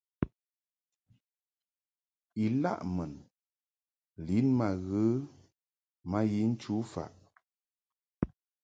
Ilaʼ mun lin ma ghə ma yi nchu faʼ.